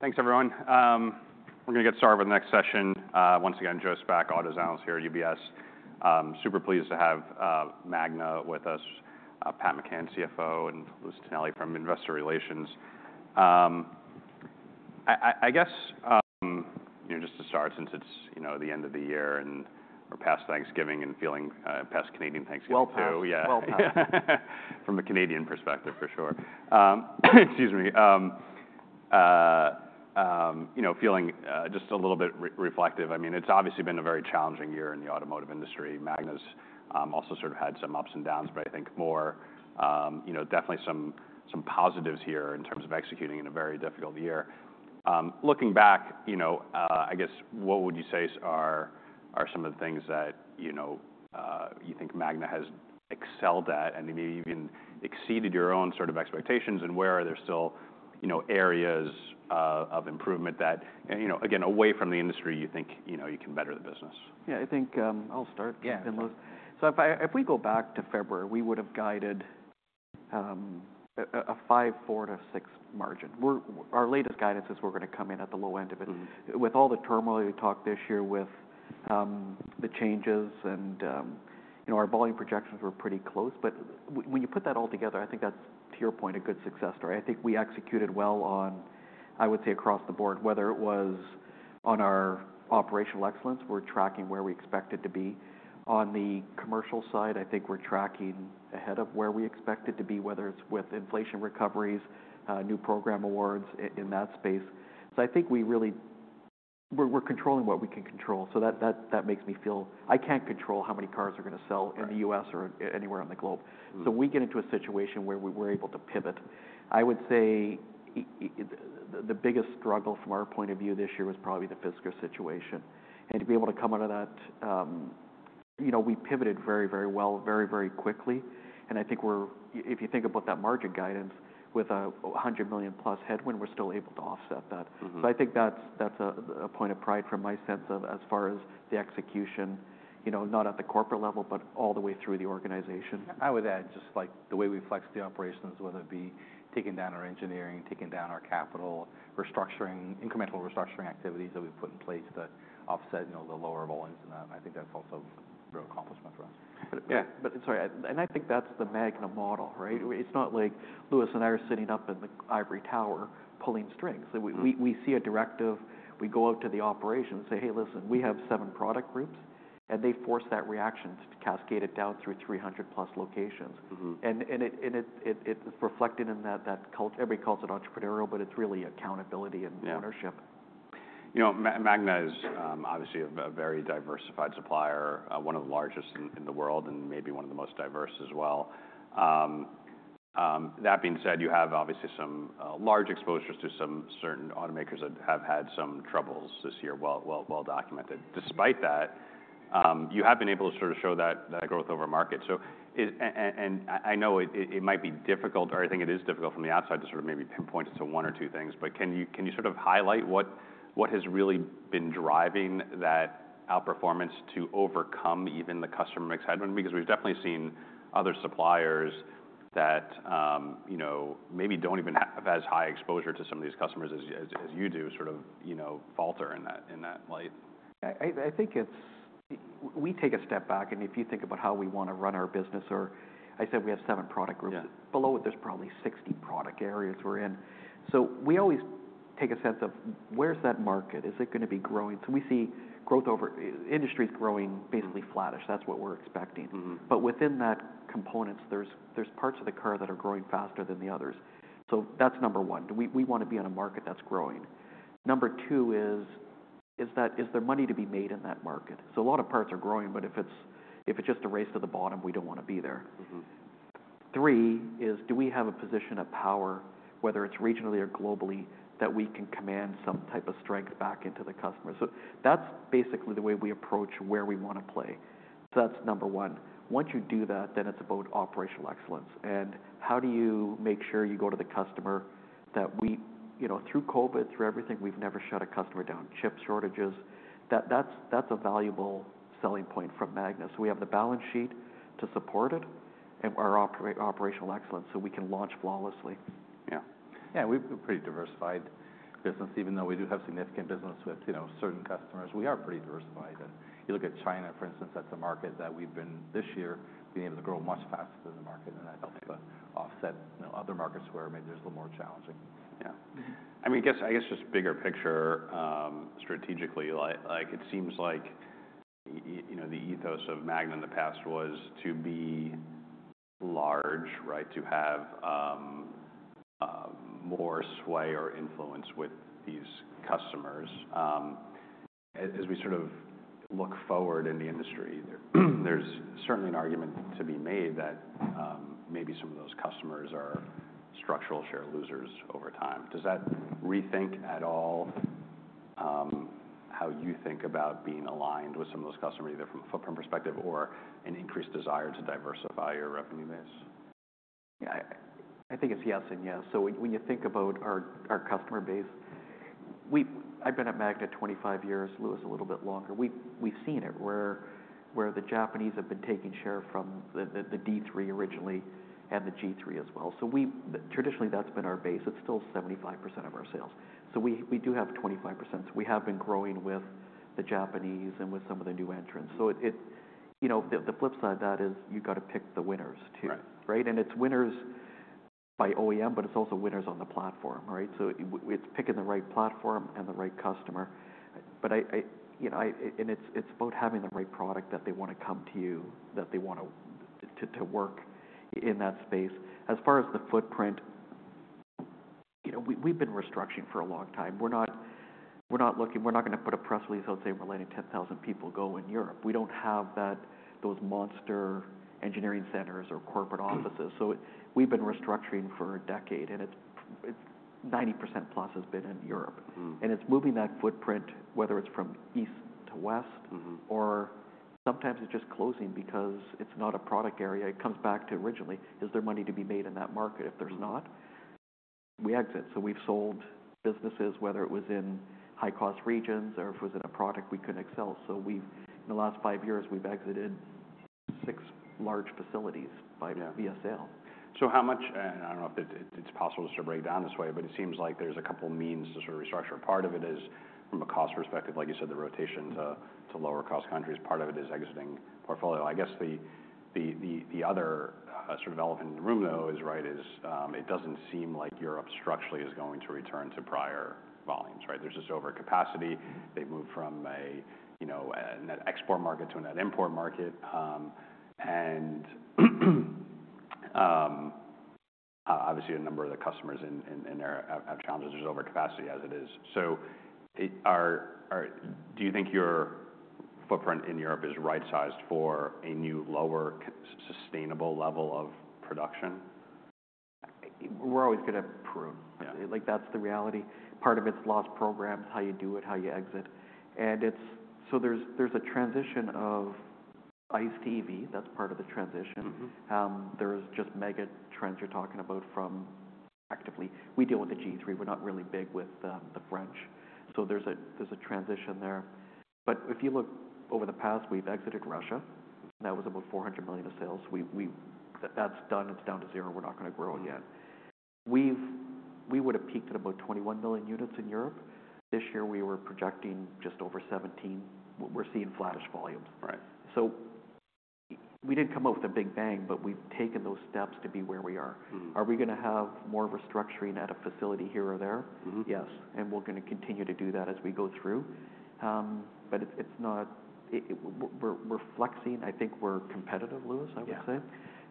Thanks, everyone. We're gonna get started with the next session. Once again, Joe Spack, Autos here at UBS. Super pleased to have Magna with us, Pat McCann, CFO, and Louis Tonelli from Investor Relations. I guess, you know, just to start, since it's, you know, the end of the year and we're past Thanksgiving and feeling past Canadian Thanksgiving too. Well past. Well past. Yeah. From a Canadian perspective, for sure. Excuse me. You know, feeling just a little bit reflective. I mean, it's obviously been a very challenging year in the automotive industry. Magna's also sort of had some ups and downs, but I think more, you know, definitely some positives here in terms of executing in a very difficult year. Looking back, you know, I guess what would you say are some of the things that, you know, you think Magna has excelled at and maybe even exceeded your own sort of expectations? And where are there still, you know, areas of improvement that, you know, again, away from the industry, you think, you know, you can better the business? Yeah, I think, I'll start. Yeah. If it's okay with Louis. So if we go back to February, we would've guided a 5.4 to 6 margin. Our latest guidance is we're gonna come in at the low end of it. With all the turmoil we talked about this year with the changes and, you know, our volume projections were pretty close. But when you put that all together, I think that's, to your point, a good success story. I think we executed well on, I would say, across the board, whether it was on our operational excellence. We're tracking where we expect it to be. On the commercial side, I think we're tracking ahead of where we expect it to be, whether it's with inflation recoveries, new program awards in that space. So I think we really are controlling what we can control. So that makes me feel I can't control how many cars are gonna sell. In the U.S. or anywhere on the globe. So we get into a situation where we're able to pivot. I would say the biggest struggle from our point of view this year was probably the fiscal situation. And to be able to come out of that, you know, we pivoted very, very well, very, very quickly. And I think we're, if you think about that margin guidance with a $100 million-plus headwind, we're still able to offset that. I think that's a point of pride from my sense of, as far as the execution, you know, not at the corporate level, but all the way through the organization. I would add just, like, the way we flex the operations, whether it be taking down our engineering, taking down our capital, restructuring, incremental restructuring activities that we've put in place to offset, you know, the lower volumes, and I think that's also a real accomplishment for us. Sorry, I think that's the Magna model, right? It's not like Louis and I are sitting up in the ivory tower pulling strings. We see a directive, we go out to the operations and say, "Hey, listen, we have seven product groups," and they force that reaction to cascade it down through 300-plus locations. It's reflected in that culture. Everybody calls it entrepreneurial, but it's really accountability and ownership. Yeah. You know, Magna is obviously a very diversified supplier, one of the largest in the world and maybe one of the most diverse as well. That being said, you have obviously some large exposures to certain automakers that have had some troubles this year, well documented. Despite that, you have been able to sort of show that growth over market. So and I know it might be difficult, or I think it is difficult from the outside to sort of maybe pinpoint it to one or two things. But can you sort of highlight what has really been driving that outperformance to overcome even the customer mix headwind? Because we've definitely seen other suppliers that, you know, maybe don't even have as high exposure to some of these customers as you do, sort of, you know, falter in that light. Yeah. I think it's we take a step back. If you think about how we wanna run our business, or I said we have seven product groups. Yeah. Below it, there's probably 60 product areas we're in. So we always take a sense of where's that market? Is it gonna be growing? So we see growth over, industry's growing basically flattish. That's what we're expecting. But within that components, there's parts of the car that are growing faster than the others. So that's number one. Do we wanna be on a market that's growing. Number two is, is there money to be made in that market? So a lot of parts are growing, but if it's just a race to the bottom, we don't wanna be there. Three is, do we have a position of power, whether it's regionally or globally, that we can command some type of strength back into the customer? So that's basically the way we approach where we wanna play. So that's number one. Once you do that, then it's about operational excellence. And how do you make sure you go to the customer that we, you know, through COVID, through everything, we've never shut a customer down? Chip shortages, that's a valuable selling point from Magna. So we have the balance sheet to support it and our operational excellence so we can launch flawlessly. Yeah. Yeah. We've a pretty diversified business. Even though we do have significant business with, you know, certain customers, we are pretty diversified. And you look at China, for instance, that's a market that we've been, this year, being able to grow much faster than the market. And that helps to offset, you know, other markets where maybe there's a little more challenging. Yeah. I mean, I guess just bigger picture, strategically, like, it seems like it, you know, the ethos of Magna in the past was to be large, right? To have more sway or influence with these customers. As we sort of look forward in the industry, there's certainly an argument to be made that, maybe some of those customers are structural share losers over time. Does that rethink at all, how you think about being aligned with some of those customers, either from a footprint perspective or an increased desire to diversify your revenue base? Yeah. I think it's yes and yes. So when you think about our customer base, I've been at Magna 25 years, Louis a little bit longer. We've seen it where the Japanese have been taking share from the D3 originally and the G3 as well. So we've traditionally, that's been our base. It's still 75% of our sales. So we do have 25%. So we have been growing with the Japanese and with some of the new entrants. So it, you know, the flip side of that is you gotta pick the winners too. Right. Right? And it's winners by OEM, but it's also winners on the platform, right? So it's picking the right platform and the right customer. But I, you know, and it's about having the right product that they wanna come to you, that they wanna to work in that space. As far as the footprint, you know, we've been restructuring for a long time. We're not looking. We're not gonna put a press release out saying we're letting 10,000 people go in Europe. We don't have those monster engineering centers or corporate offices. So we've been restructuring for a decade, and it's 90% plus has been in Europe. It's moving that footprint, whether it's from east to west. Or, sometimes it's just closing because it's not a product area. It comes back to originally, is there money to be made in that market? If there's not, we exit. So we've sold businesses, whether it was in high-cost regions or if it was in a product we couldn't excel. So we've, in the last five years, we've exited six large facilities by. Yeah. Via sale. So how much, and I don't know if it's possible to sort of break down this way, but it seems like there's a couple of means to sort of restructure. Part of it is from a cost perspective, like you said, the rotation to lower-cost countries. Part of it is exiting portfolio. I guess the other, sort of elephant in the room, though, is, right, is, it doesn't seem like Europe structurally is going to return to prior volumes, right? There's this overcapacity. They've moved from a, you know, a net export market to a net import market. And, obviously, a number of the customers in there have challenges. There's overcapacity as it is. So, are you think your footprint in Europe is right-sized for a new lower-cost sustainable level of production? We're always gonna improve. Yeah. Like, that's the reality. Part of it's lost programs, how you do it, how you exit. And it's so there's a transition of ICE to EV. That's part of the transition. There's just mega trends you're talking about from EV activity. We deal with the G3. We're not really big with the French. So there's a transition there, but if you look over the past, we've exited Russia. That was about $400 million of sales. That's done. It's down to zero. We're not gonna grow again. We would've peaked at about 21 million units in Europe. This year, we were projecting just over 17. We're seeing flattish volumes. Right. So we didn't come out with a big bang, but we've taken those steps to be where we are. Are we gonna have more restructuring at a facility here or there? Yes, and we're gonna continue to do that as we go through, but it's not we're flexing. I think we're competitive, Louis. I would say.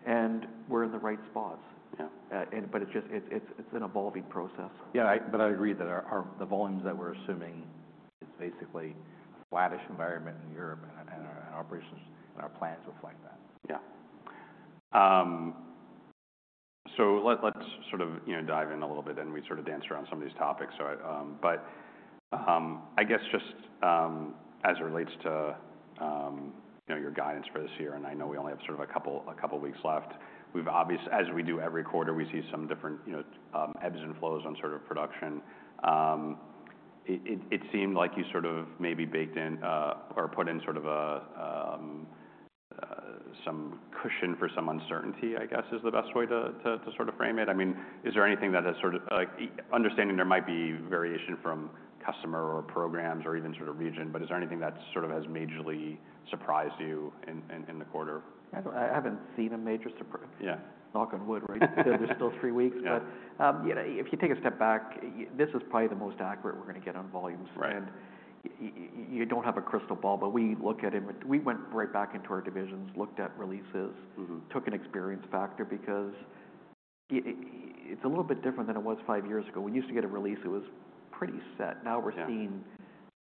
Yeah. We're in the right spots. Yeah. It's just an evolving process. Yeah. But I agree that our volumes that we're assuming is basically a flattish environment in Europe, and our operations and our plans reflect that. Yeah. Let's sort of, you know, dive in a little bit, and we sort of danced around some of these topics. I guess just, as it relates to, you know, your guidance for this year, and I know we only have sort of a couple weeks left. We've obviously, as we do every quarter, we see some different, you know, ebbs and flows on sort of production. It seemed like you sort of maybe baked in or put in sort of some cushion for some uncertainty. I guess is the best way to sort of frame it. I mean, is there anything that has sort of, like, an understanding there might be variation from customer or programs or even sort of region, but is there anything that has sort of majorly surprised you in the quarter? I haven't seen a major surprise. Yeah. Knock on wood, right? There's still three weeks. Yeah. But, you know, if you take a step back, this is probably the most accurate we're gonna get on volumes. Right. And if you don't have a crystal ball, but we look at inventory. We went right back into our divisions, looked at releases. Took an experience factor because it's a little bit different than it was five years ago. We used to get a release that was pretty set. Now we're seeing. Yeah.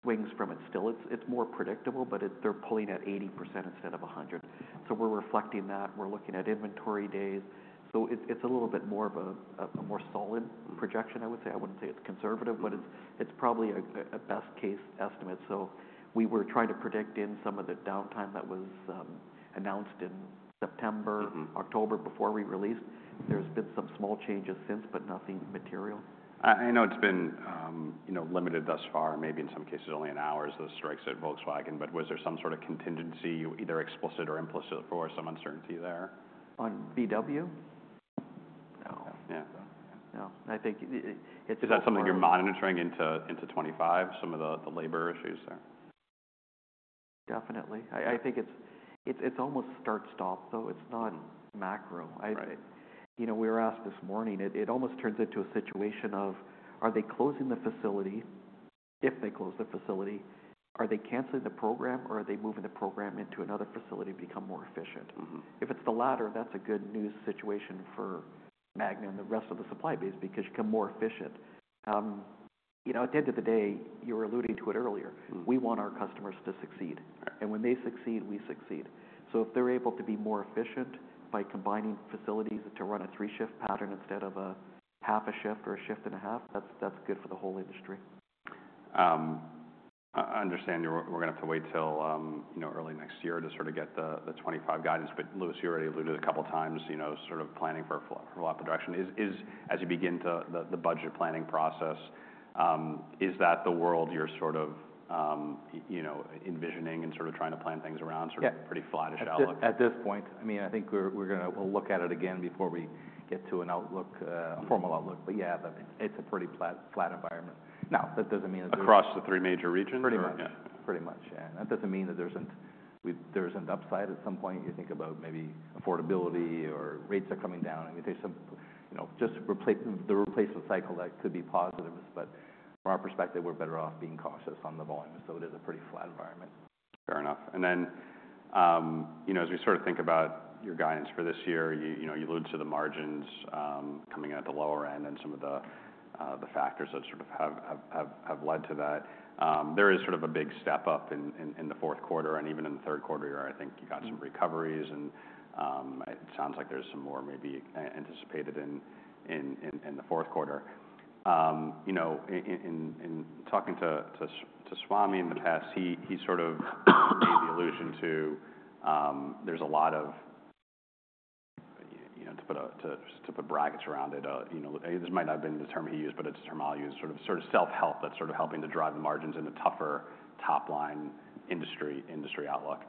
Swings from it still. It's more predictable, but it they're pulling at 80% instead of 100%. So we're reflecting that. We're looking at inventory days. So it's a little bit more of a more solid. Projection, I would say. I wouldn't say it's conservative. But it's probably a best-case estimate. So we were trying to predict in some of the downtime that was announced in September. October before we released. There's been some small changes since, but nothing material. I know it's been, you know, limited thus far, maybe in some cases only in hours, those strikes at Volkswagen. But was there some sort of contingency, either explicit or implicit, for some uncertainty there? On VW? No. Yeah. No. No. I think it's. Is that something you're monitoring into 2025, some of the labor issues there? Definitely. I think it's almost start-stop, though. It's not macro. Right. You know, we were asked this morning. It almost turns into a situation of, are they closing the facility? If they close the facility, are they canceling the program, or are they moving the program into another facility to become more efficient? If it's the latter, that's a good news situation for Magna and the rest of the supply base because you're more efficient. You know, at the end of the day, you were alluding to it earlier. We want our customers to succeed. Right. When they succeed, we succeed. If they're able to be more efficient by combining facilities to run a three-shift pattern instead of a half a shift or a shift and a half, that's good for the whole industry. I understand we're gonna have to wait till, you know, early next year to sort of get the 2025 guidance. But Louis, you already alluded a couple times, you know, sort of planning for a flat direction. Is as you begin the budget planning process, is that the world you're sort of, you know, envisioning and sort of trying to plan things around? Sort of. Pretty flattish outlook? At this point, I mean, I think we're gonna we'll look at it again before we get to an outlook, a formal outlook. But yeah, it's a pretty flat environment. Now, that doesn't mean that there's. Across the three major regions? Pretty much. Yeah. And that doesn't mean that there isn't upside at some point. You think about maybe affordability or rates are coming down. I mean, there's some, you know, just the replacement cycle that could be positives. But from our perspective, we're better off being cautious on the volume. So it is a pretty flat environment. Fair enough. And then, you know, as we sort of think about your guidance for this year, you know, you alluded to the margins coming in at the lower end and some of the factors that sort of have led to that. There is sort of a big step up in the fourth quarter. And even in the third quarter, you're, I think you got some recoveries. And it sounds like there's some more maybe anticipated in the fourth quarter. You know, in talking to Swamy in the past, he sort of made the allusion to, there's a lot of, you know, to put brackets around it, you know, this might not have been the term he used, but it's a term I'll use, sort of self-help that's sort of helping to drive the margins in the tougher top-line industry outlook.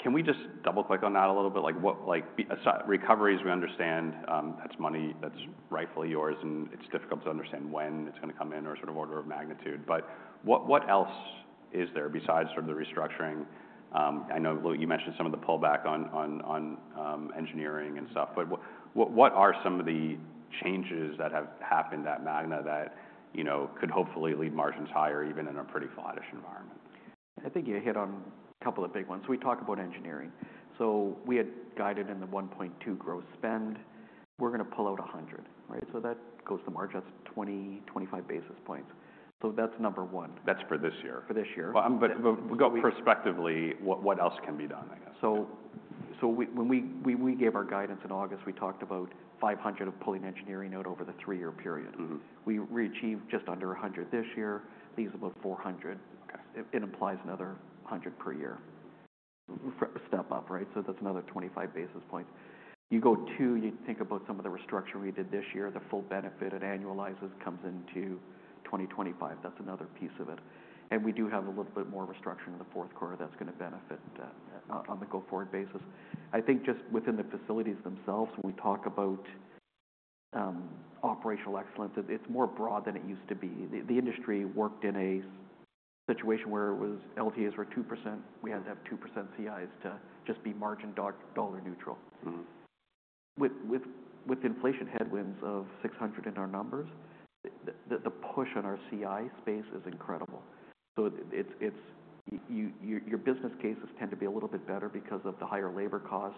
Can we just double-click on that a little bit? Like, what, like, BES recoveries, we understand, that's money that's rightfully yours, and it's difficult to understand when it's gonna come in or sort of order of magnitude. But what else is there besides sort of the restructuring? I know, Louis, you mentioned some of the pullback on engineering and stuff. But what are some of the changes that have happened at Magna that, you know, could hopefully lead margins higher even in a pretty flattish environment? I think you hit on a couple of big ones. We talk about engineering. So we had guided in the $1.2 gross spend. We're gonna pull out $100, right? So that goes to margin. That's 20 to 25 basis points. So that's number one. That's for this year. For this year. But we go prospectively. What else can be done, I guess? We gave our guidance in August. We talked about 500 of pulling engineering out over the three-year period. We reached just under 100 this year. Leaves about 400. Okay. It implies another 100 per year. Step up, right? So that's another 25 basis points. You go to, you think about some of the restructuring we did this year, the full benefit it annualizes comes into 2025. That's another piece of it. And we do have a little bit more restructuring in the fourth quarter that's gonna benefit on the go-forward basis. I think just within the facilities themselves, when we talk about operational excellence, it's more broad than it used to be. The industry worked in a situation where LTAs were 2%. We had to have 2% CIs to just be margin-dollar neutral. With inflation headwinds of 600 in our numbers, the push on our CI space is incredible. So it's your business cases tend to be a little bit better because of the higher labor cost,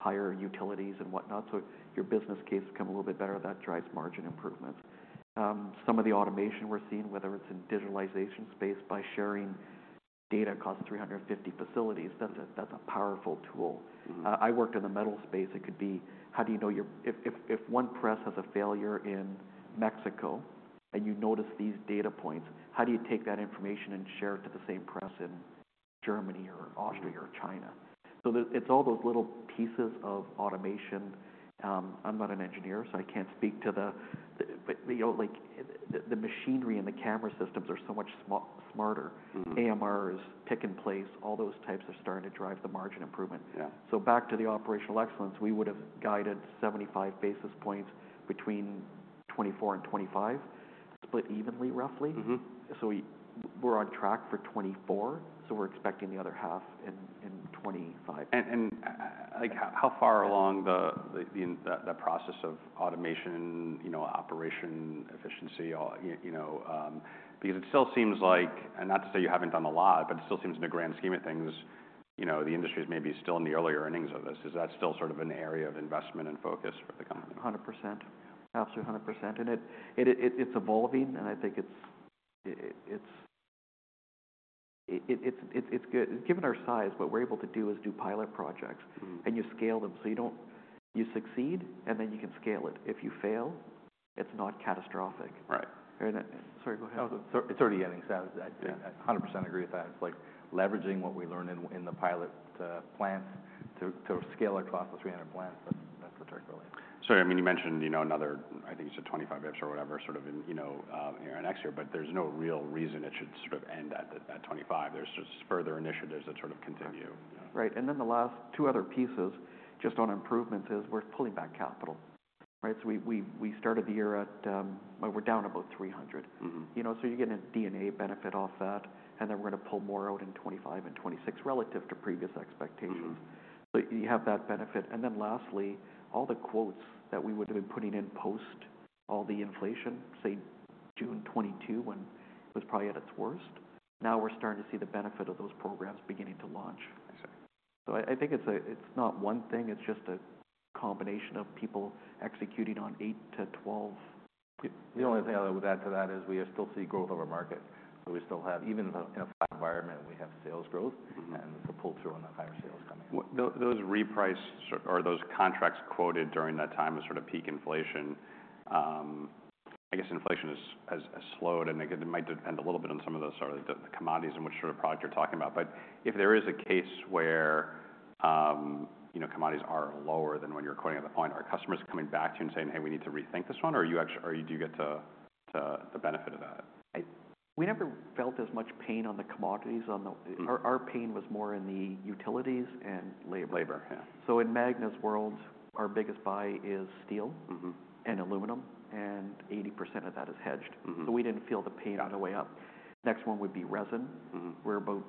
higher utilities, and whatnot. So your business cases come a little bit better. That drives margin improvements. Some of the automation we're seeing, whether it's in digitalization space by sharing data across 350 facilities. That's a powerful tool. I worked in the metal space. It could be how do you know if one press has a failure in Mexico and you notice these data points, how do you take that information and share it to the same press in Germany or Austria or China? So it's all those little pieces of automation. I'm not an engineer, so I can't speak to the but, you know, like, it the machinery and the camera systems are so much smarter. AMRs, pick and place, all those types are starting to drive the margin improvement. Yeah. Back to the operational excellence, we would've guided 75 basis points between 2024 and 2025, split evenly, roughly. We're on track for 2024. We're expecting the other half in 2025. Like, how far along in the process of automation, you know, operational efficiency, all you know, because it still seems like, and not to say you haven't done a lot, but it still seems, in the grand scheme of things, you know, the industry's maybe still in the earlier innings of this. Is that still sort of an area of investment and focus for the company? 100%. Absolutely 100%, and it's evolving, and I think it's good. Given our size, what we're able to do is do pilot projects. You scale them. So you succeed, and then you can scale it. If you fail, it's not catastrophic. Right. Sorry, go ahead. Oh, so it's already getting set. I 100% agree with that. It's like leveraging what we learned in the pilot plants to scale across the 300 plants. That's the trick, really. Sorry. I mean, you mentioned, you know, another. I think you said 25-ish or whatever, sort of in, you know, here in X year, but there's no real reason it should sort of end at 25. There's just further initiatives that sort of continue. Right. And then the last two other pieces just on improvements is we're pulling back capital, right? So we started the year at, well, we're down about 300. You know, so you're getting a D&A benefit off that, and then we're gonna pull more out in 2025 and 2026 relative to previous expectations. So you have that benefit. And then lastly, all the quotes that we would've been putting in post all the inflation, say, June 2022, when it was probably at its worst, now we're starting to see the benefit of those programs beginning to launch. I see. So I think it's not one thing. It's just a combination of people executing on eight to 12. The only thing I would add to that is we still see growth of our market. So we still have, even in a flat environment, we have sales growth. And the pull-through on the higher sales coming in. With those reprice sort of those contracts quoted during that time of sort of peak inflation, I guess, inflation has slowed. And it could, it might depend a little bit on some of the sort of the commodities in which sort of product you're talking about. But if there is a case where, you know, commodities are lower than when you're quoting at the point, are customers coming back to you and saying, "Hey, we need to rethink this one"? Or are you actually, or do you get to the benefit of that? We never felt as much pain on the commodities on the. Our pain was more in the utilities and labor. Yeah. In Magna's world, our biggest buy is steel. And aluminum. And 80% of that is hedged. So we didn't feel the pain on the way up. Next one would be resin. We're about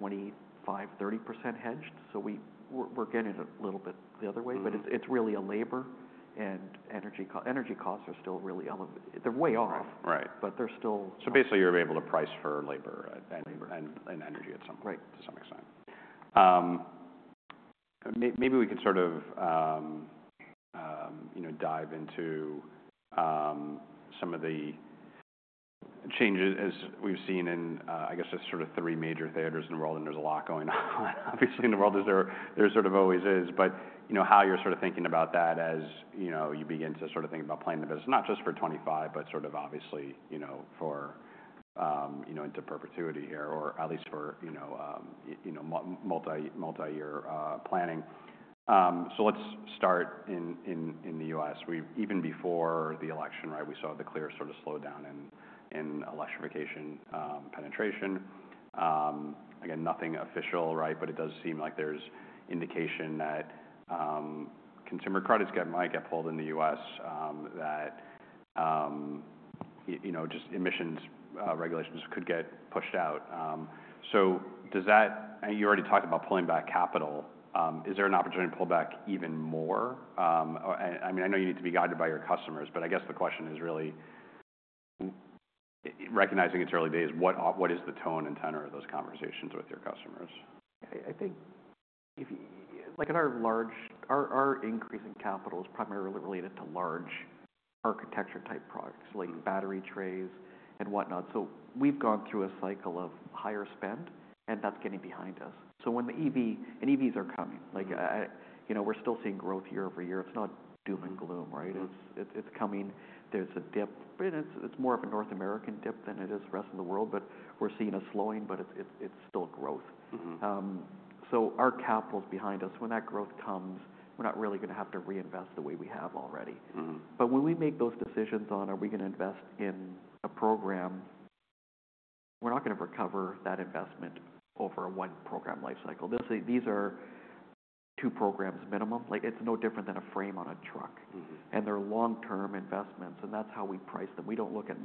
25% to 30% hedged. So we're getting it a little bit the other way. But it's really a labor and energy costs are still really elevated. They're way off. Right. But they're still. So basically, you're able to price for labor, and. And energy at some point. To some extent. Maybe we can sort of, you know, dive into some of the changes as we've seen in, I guess, just sort of three major theaters in the world. And there's a lot going on, obviously, in the world. There's sort of always is. But, you know, how you're sort of thinking about that as, you know, you begin to sort of think about planning the business, not just for 2025, but sort of obviously, you know, for, you know, into perpetuity here, or at least for, you know, you know, multi-year planning. So let's start in the U.S. We even before the election, right, we saw the clear sort of slowdown in electrification penetration. Again, nothing official, right? But it does seem like there's indication that consumer credits might get pulled in the U.S., that you know, just emissions regulations could get pushed out. So does that and you already talked about pulling back capital. Is there an opportunity to pull back even more? Or I mean, I know you need to be guided by your customers, but I guess the question is really recognizing it's early days, what is the tone and tenor of those conversations with your customers? I think if you like, in our large increase in capital is primarily related to large architecture-type products like battery trays and whatnot. So we've gone through a cycle of higher spend, and that's getting behind us. So when the EV and EVs are coming, like, you know, we're still seeing growth year over year. It's not doom and gloom, right? It's coming. There's a dip, and it's more of a North American dip than it is the rest of the world, but we're seeing a slowing, but it's still growth. So our capital's behind us. When that growth comes, we're not really gonna have to reinvest the way we have already. But when we make those decisions on, are we gonna invest in a program, we're not gonna recover that investment over one program lifecycle. These are two programs minimum. Like, it's no different than a frame on a truck. And they're long-term investments. And that's how we price them. We don't look at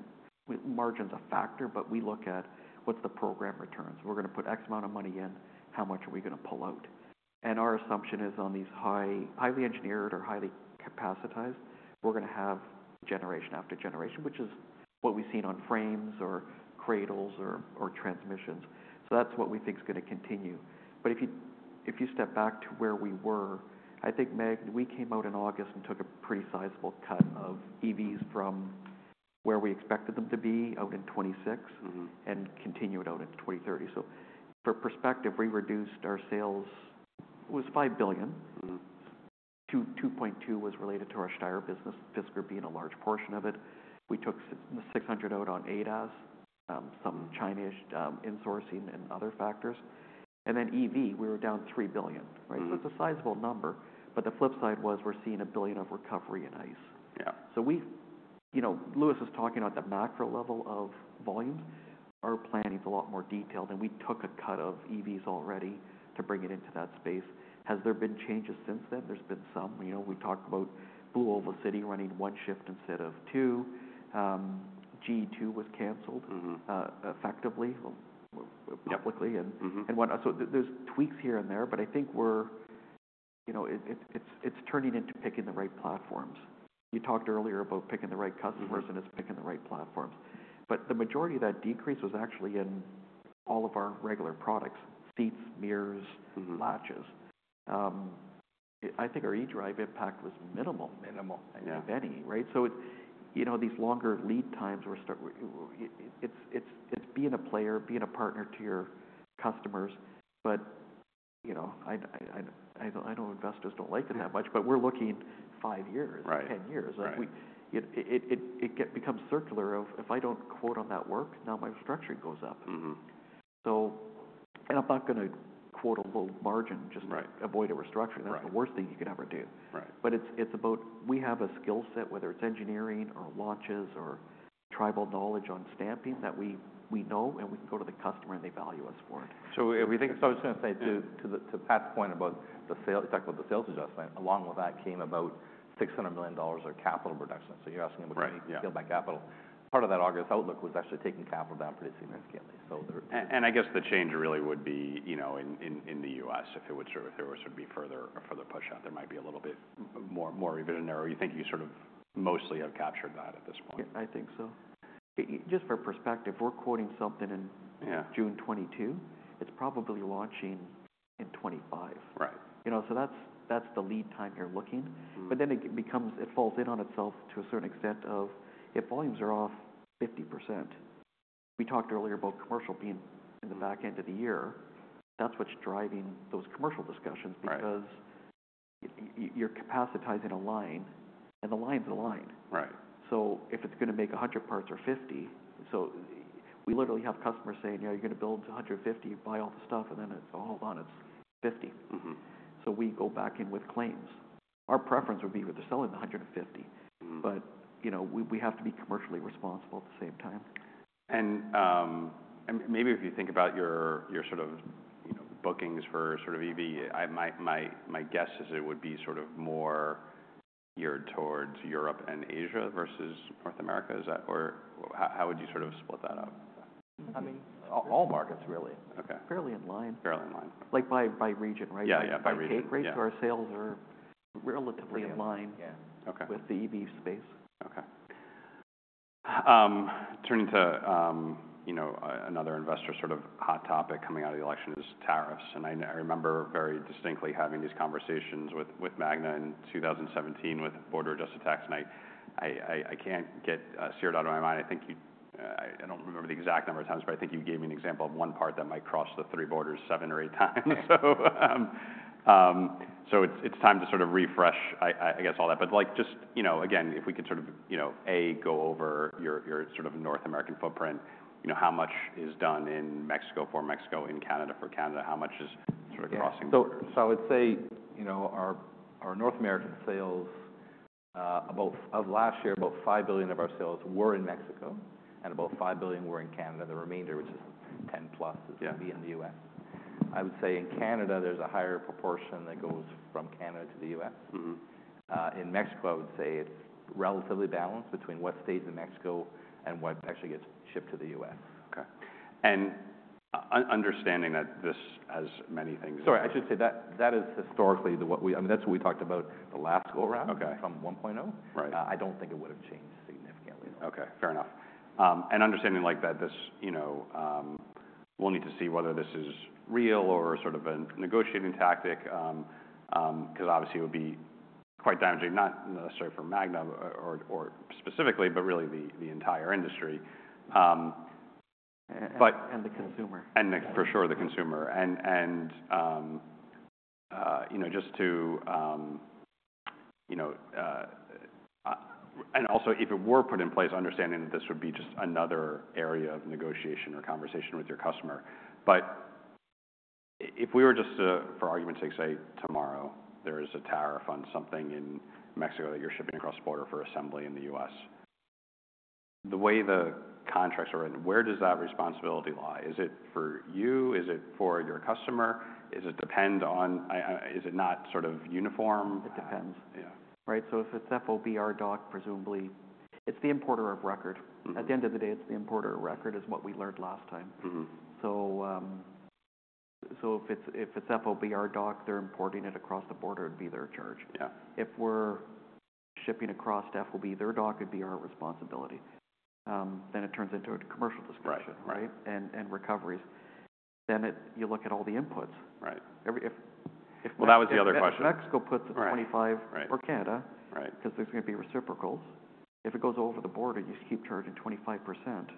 what margin's a factor, but we look at what's the program returns. We're gonna put X amount of money in. How much are we gonna pull out? And our assumption is on these highly engineered or highly capitalized, we're gonna have generation after generation, which is what we've seen on frames or cradles or transmissions. So that's what we think's gonna continue. But if you step back to where we were, I think Magna, we came out in August and took a pretty sizable cut of EVs from where we expected them to be out in 2026. And continued out in 2030. So for perspective, we reduced our sales. It was $5 to 2.2 billion was related to our Steyr business, Fisker being a large portion of it. We took $600 million out on ADAS, some Chinese insourcing and other factors, then EV, we were down $3 billion, right? So it's a sizable number. But the flip side was we're seeing a billion of recovery in ICE. Yeah. So we've, you know, Louis is talking about the macro level of volumes. Our planning's a lot more detailed. And we took a cut of EVs already to bring it into that space. Has there been changes since then? There's been some. You know, we talked about Blue Oval City running one shift instead of two. GE2 was canceled. effectively, well, publicly. And whatnot. So there's tweaks here and there. But I think we're, you know, it's turning into picking the right platforms. You talked earlier about picking the right customers. It's picking the right platforms. The majority of that decrease was actually in all of our regular products: seats, mirrors. Latches. I think our eDrive impact was minimal. Minimal. Yeah. If any, right? So it's, you know, these longer lead times were stuck with it. It's being a player, being a partner to your customers. But, you know, I don't know, investors don't like it that much. But we're looking five years. Right. 10 years. Right. Like, we, you know, it gets circular if I don't quote on that work. Now my restructuring goes up. I'm not gonna quote a low margin just to. Right. Avoid a restructuring. Right. That's the worst thing you could ever do. Right. But it's about we have a skill set, whether it's engineering or launches or tribal knowledge on stamping that we know, and we can go to the customer, and they value us for it. I was gonna say to Pat's point about the sales you talked about, the sales adjustment. Along with that came about $600 million of capital reduction. So you're asking about. Right. If you scale back capital. Part of that August outlook was actually taking capital down pretty significantly. So there. I guess the change really would be, you know, in the US if there was a further push out. There might be a little bit more revision there. Or you think you sort of mostly have captured that at this point? Yeah. I think so. I just for perspective, we're quoting something in. Yeah. June 2022. It's probably launching in 2025. Right. You know, so that's, that's the lead time you're looking. But then it becomes it falls in on itself to a certain extent, if volumes are off 50%. We talked earlier about commercial being in the back end of the year. That's what's driving those commercial discussions. Right. Because you're capacitating a line, and the line's a line. Right. So if it's gonna make 100 parts or 50, so we literally have customers saying, "Yeah, you're gonna build to 150, buy all the stuff," and then it's, "Hold on. It's 50. So we go back in with claims. Our preference would be if they're selling the 150. But, you know, we have to be commercially responsible at the same time. Maybe if you think about your sort of, you know, bookings for sort of EV, my guess is it would be sort of more geared towards Europe and Asia versus North America. Is that or how would you sort of split that up? I mean, all markets, really. Okay. Fairly in line. Fairly in line. Like, by region, right? Yeah. Yeah. By region. By constant rates, our sales are relatively in line. Yeah. Okay. With the EV space. Okay. Turning to, you know, another investor sort of hot topic coming out of the election is tariffs. And I remember very distinctly having these conversations with Magna in 2017 with Border Adjustment Tax and I can't get that year out of my mind. I don't remember the exact number of times, but I think you gave me an example of one part that might cross the three borders seven or eight times. So it's time to sort of refresh, I guess, all that. But, like, just, you know, again, if we could sort of, you know, go over your sort of North American footprint, you know, how much is done in Mexico for Mexico, in Canada for Canada? How much is sort of crossing the border? I would say, you know, our North American sales, about half of last year, about $5 billion of our sales were in Mexico and about $5 billion were in Canada. The remainder, which is 10-plus, is. Yeah. Gonna be in the US. I would say in Canada, there's a higher proportion that goes from Canada to the US. In Mexico, I would say it's relatively balanced between what stays in Mexico and what actually gets shipped to the U.S. Okay. And, understanding that this has many things in it. Sorry. I should say that that is historically what we, I mean, that's what we talked about the last go around. From 1.0. Right. I don't think it would've changed significantly. Okay. Fair enough, and understanding, like, that this, you know, we'll need to see whether this is real or sort of a negotiating tactic, 'cause obviously, it would be quite damaging, not necessarily for Magna or specifically, but really the entire industry. But. And the consumer. And then, for sure, the consumer. And you know, just to you know, and also, if it were put in place, understanding that this would be just another area of negotiation or conversation with your customer. But if we were just to, for argument's sake, say tomorrow there is a tariff on something in Mexico that you're shipping across the border for assembly in the U.S., the way the contracts are written, where does that responsibility lie? Is it for you? Is it for your customer? Does it depend? I, is it not sort of uniform? It depends. Yeah. Right? So if it's FOB our dock, presumably it's the importer of record. At the end of the day, it's the importer of record is what we learned last time. If it's FOB our dock, they're importing it across the border, it'd be their charge. Yeah. If we're shipping across FOB, their dock would be our responsibility. Then it turns into a commercial discussion. Right? And recoveries. Then, if you look at all the inputs. Right. Every if. That was the other question. If Mexico puts a. Right. 25. Right. Or Canada. Right. 'Cause there's gonna be reciprocals. If it goes over the border, you keep charging 25%.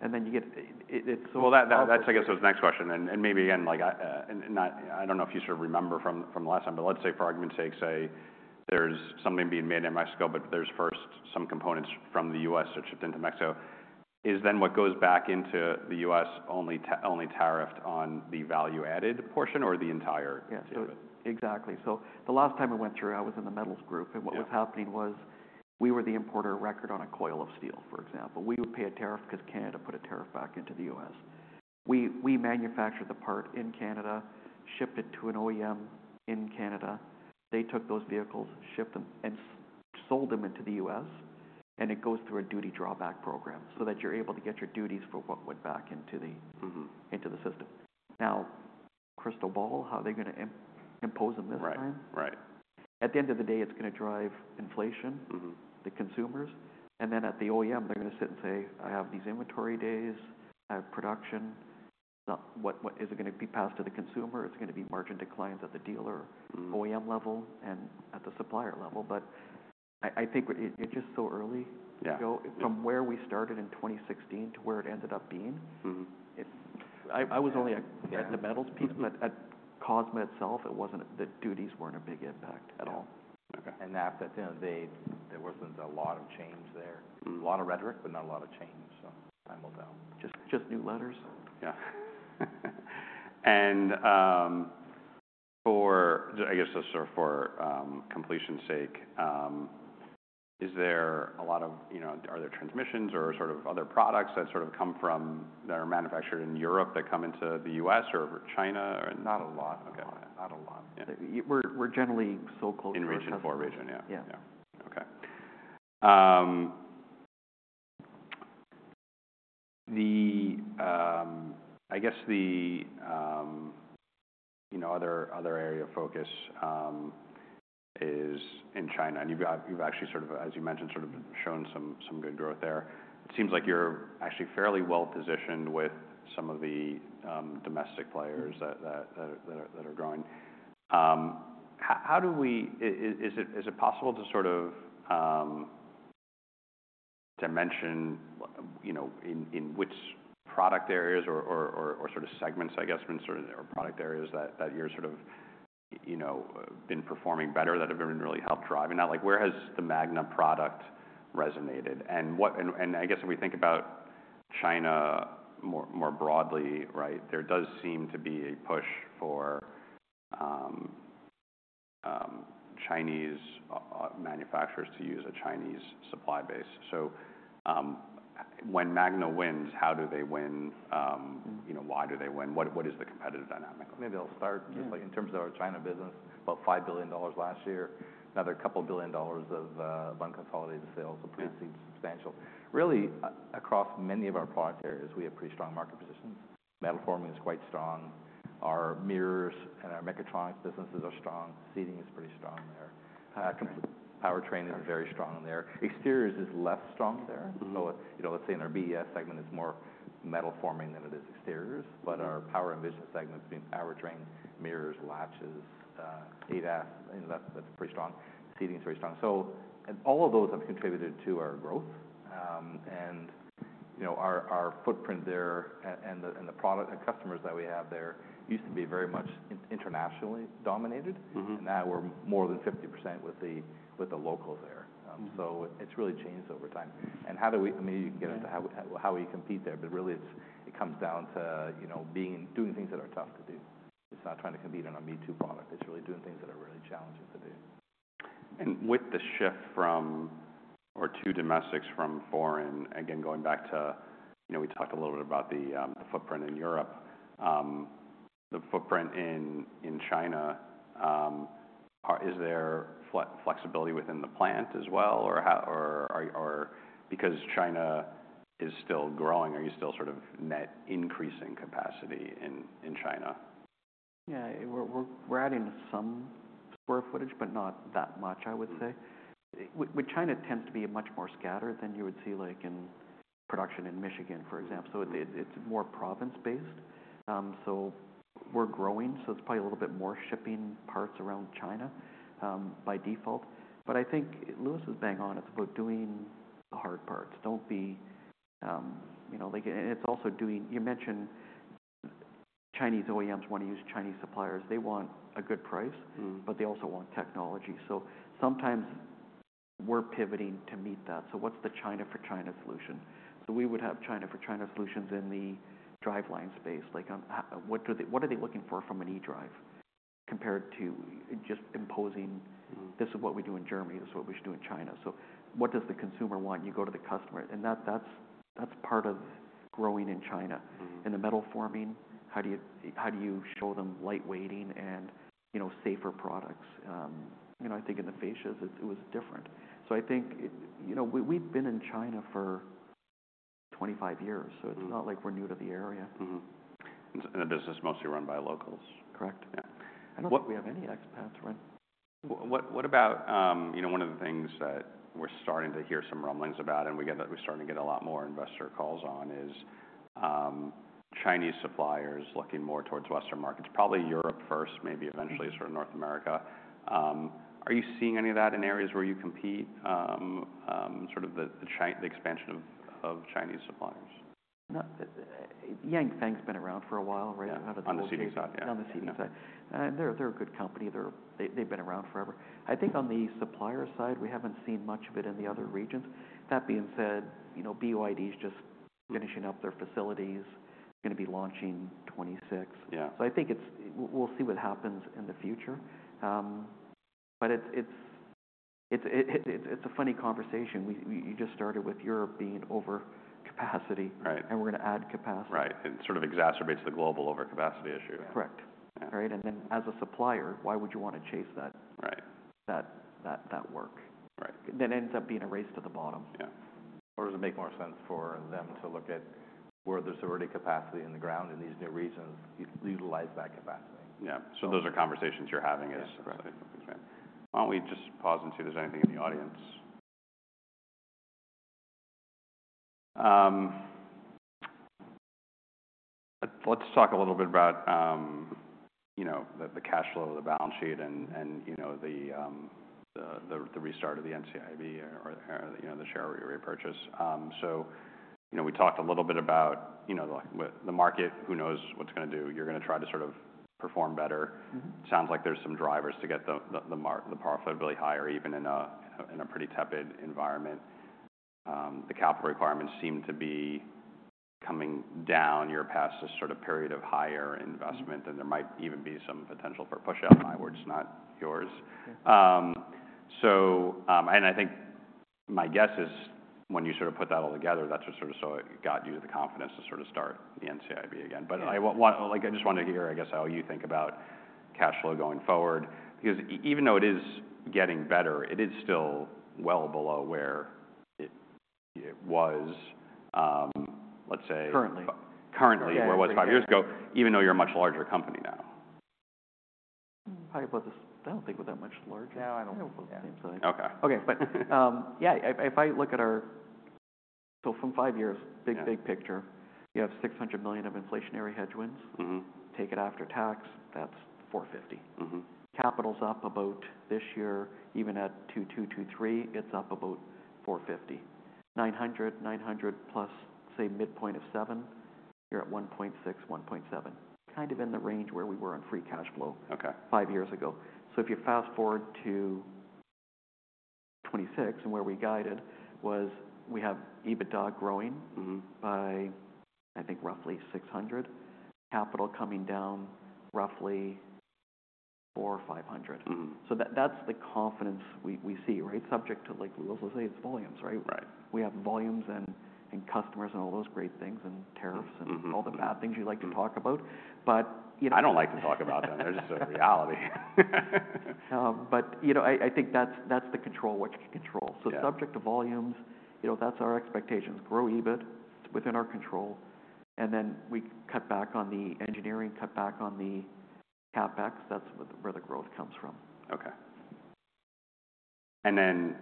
And then you get it's so. Well, that's, I guess, was the next question. And maybe again, like, not, I don't know if you sort of remember from last time, but let's say, for argument's sake, say there's something being made in Mexico, but there's first some components from the US that shipped into Mexico. Is then what goes back into the US only tariffed on the value-added portion or the entire? Yes. Exactly. So the last time we went through, I was in the metals group. What was happening was we were the importer of record on a coil of steel, for example. We would pay a tariff 'cause Canada put a tariff back into the US. We manufactured the part in Canada, shipped it to an OEM in Canada. They took those vehicles, shipped them, and sold them into the US. It goes through a duty drawback program so that you're able to get your duties for what went back into the. Into the system. Now, crystal ball, how are they gonna impose them this time? Right. Right. At the end of the day, it's gonna drive inflation. The consumers and then at the OEM, they're gonna sit and say, "I have these inventory days. I have production. Now, what, what is it gonna be passed to the consumer? It's gonna be margin declines at the dealer. OEM level and at the supplier level. But I think it's just so early. Yeah. You know, from where we started in 2016 to where it ended up being. I was only at. Yeah. At the metals piece, but at Cosma itself, it wasn't. The duties weren't a big impact at all. Okay. You know, there wasn't a lot of change there. A lot of rhetoric, but not a lot of change, so I'm all down. Just, just new letters. Yeah. And, for I guess just sort of for, completion's sake, is there a lot of, you know, are there transmissions or sort of other products that sort of come from that are manufactured in Europe that come into the U.S. or China or not a lot? Not a lot. Okay. Not a lot. Yeah. We're generally so-called in region. In region four. Yeah. Yeah. Yeah. Okay. I guess, you know, the other area of focus is in China. And you've actually sort of, as you mentioned, sort of shown some good growth there. It seems like you're actually fairly well-positioned with some of the domestic players that are growing. How is it possible to sort of dimension, you know, in which product areas or sort of segments, I guess, or product areas that you're sort of, you know, been performing better that have been really helped driving that? Like, where has the Magna product resonated? And what, and I guess if we think about China more broadly, right, there does seem to be a push for Chinese manufacturers to use a Chinese supply base. So, when Magna wins, how do they win? You know, why do they win? What, what is the competitive dynamic? Maybe I'll start. Yeah. Just, like, in terms of our China business, about $5 billion last year, another couple billion dollars of unconsolidated sales have preceded substantial. Really, across many of our product areas, we have pretty strong market positions. Metal forming is quite strong. Our mirrors and our mechatronics businesses are strong. Seating is pretty strong there. Powertrain is very strong there. Exteriors is less strong there. You know, let's say in our BES segment, it's more metal forming than it is exteriors. But our Power and Vision segment, powertrain, mirrors, latches, ADAS, you know, that's pretty strong. Seating's very strong. So and all of those have contributed to our growth. And, you know, our footprint there and the product and customers that we have there used to be very much internationally dominated. And now we're more than 50% with the locals there. So it's really changed over time. And how do we, I mean, you can get into how we compete there, but really, it comes down to, you know, doing things that are tough to do. It's not trying to compete on a me-too product. It's really doing things that are really challenging to do. And with the shift from or to domestics from foreign, again, going back to, you know, we talked a little bit about the footprint in Europe, the footprint in China. Is there flexibility within the plant as well? Or, because China is still growing, are you still sort of net increasing capacity in China? Yeah. We're adding some square footage, but not that much, I would say. In China tends to be much more scattered than you would see, like, in production in Michigan, for example. It's more province-based. We're growing, so it's probably a little bit more shipping parts around China by default. But I think Louis is bang on. It's about doing the hard parts. Don't be, you know, like, and it's also doing. You mentioned Chinese OEMs wanna use Chinese suppliers. They want a good price. But they also want technology. So sometimes we're pivoting to meet that. So what's the China for China solution? So we would have China for China solutions in the driveline space. Like, how, what are they looking for from an eDrive compared to just imposing. This is what we do in Germany. This is what we should do in China. So what does the consumer want? You go to the customer. And that's part of growing in China. In the metal forming, how do you show them lightweighting and, you know, safer products? You know, I think in the ferrous, it was different. So I think, you know, we've been in China for 25 years, so it's not. Like we're new to the area. Mm-hmm. And this is mostly run by locals? Correct. Yeah. I don't think we have any ex-pats, right? What about, you know, one of the things that we're starting to hear some rumblings about, and we get that we're starting to get a lot more investor calls on is, Chinese suppliers looking more towards Western markets, probably Europe first, maybe eventually? Sort of North America. Are you seeing any of that in areas where you compete, sort of the expansion of Chinese suppliers? No, Yanfeng's been around for a while, right? Yeah. On the seating side. Yeah. On the seating side. They're a good company. They've been around forever. I think on the supplier side, we haven't seen much of it in the other regions. That being said, you know, BYD's just finishing up their facilities. They're gonna be launching 26. Yeah. So I think we'll see what happens in the future, but it's a funny conversation. We just started with Europe being over capacity. Right. We're gonna add capacity. Right, and sort of exacerbates the global overcapacity issue. Correct. Yeah. Right? And then as a supplier, why would you wanna chase that? Right. That work. Right. Then it ends up being a race to the bottom. Yeah. Or does it make more sense for them to look at where there's already capacity in the ground in these new regions? You utilize that capacity. Yeah. So those are conversations you're having is. Correct. Why don't we just pause and see if there's anything in the audience? Let's talk a little bit about, you know, the cash flow, the balance sheet, and, you know, the restart of the NCIB or, you know, the share repurchase, so, you know, we talked a little bit about, you know, the market, who knows what's gonna do. You're gonna try to sort of perform better. Sounds like there's some drivers to get the margin, the free cash flow really higher even in a pretty tepid environment. The capital requirements seem to be coming down. You're past this sort of period of higher investment, and there might even be some potential for push out higher where it's not yours. Yeah. So, and I think my guess is when you sort of put that all together, that's what sort of saw it got you the confidence to sort of start the NCIB again. But I want one like. I just wanted to hear, I guess, how you think about cash flow going forward because even though it is getting better, it is still well below where it was, let's say. Currently. Currently. Yeah. Where it was five years ago, even though you're a much larger company now. Probably about the same. I don't think we're that much larger. No. I don't think we're that big. No. It seems like. Okay. Okay. But yeah, if I look at our so from five years. Yeah. Big, big picture, you have $600 million of inflationary hedge wins. Take it after tax, that's $450. is up about this year, even at 2022, 2023. It's up about $450, $900, $900 plus, say, midpoint of $7, you're at $1.6 to $1.7, kind of in the range where we were on free cash flow. Okay. Five years ago. So if you fast forward to 2026 and where we guided was we have EBITDA growing. By, I think, roughly 600, capital coming down roughly four or 500. So that's the confidence we see, right? Subject to, like, let's say it's volumes, right? Right. We have volumes and customers and all those great things and tariffs and. All the bad things you like to talk about. But, you know. I don't like to talk about them. They're just a reality. But, you know, I think that's the controllables, what you can control. Yeah. So subject to volumes, you know, that's our expectations. Grow EBIT, it's within our control. And then we cut back on the engineering, cut back on the CapEx. That's where the growth comes from. Okay. And then,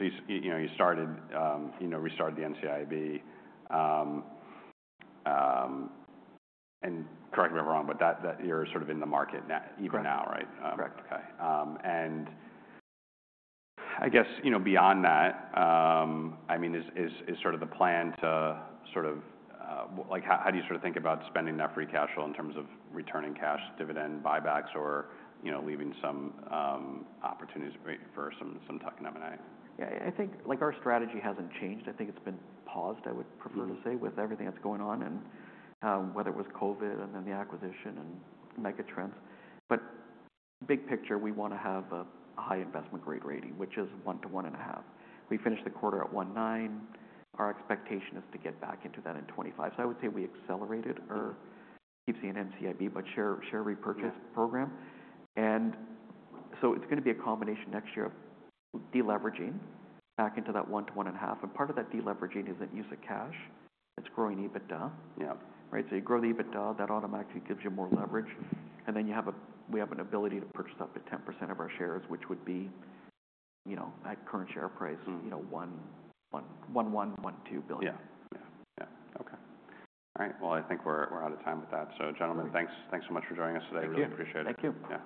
so you know, you started, you know, restarted the NCIB, and correct me if I'm wrong, but that you're sort of in the market now, even now, right? Correct. Okay. And I guess, you know, beyond that, I mean, is sort of the plan to sort of, well, like, how do you sort of think about spending that free cash flow in terms of returning cash, dividend, buybacks, or, you know, leaving some opportunities for some tucking up and out? Yeah. I think, like, our strategy hasn't changed. I think it's been paused, I would prefer. To say with everything that's going on and whether it was COVID and then the acquisition and mechatronics, but big picture, we wanna have a high investment grade rating, which is one to one and a half. We finished the quarter at 1.9. Our expectation is to get back into that in 2025, so I would say we accelerated our. ASPP and NCIB, but share repurchase. Yeah. Program. And so it's gonna be a combination next year of deleveraging back into that one to one and a half. And part of that deleveraging isn't use of cash. It's growing EBITDA. Yeah. Right? So you grow the EBITDA, that automatically gives you more leverage. And then we have an ability to purchase up to 10% of our shares, which would be, you know, at current share price. You know, $1 to 2 billion. Yeah. Okay. All right. Well, I think we're out of time with that. So, gentlemen. Okay. Thanks, thanks so much for joining us today. Thank you. Really appreciate it. Thank you.